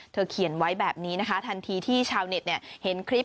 เธอเขียนไว้แบบนี้นะคะทันทีที่ชาวเน็ตเนี่ย